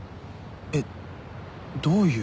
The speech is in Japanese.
えっ？どういう。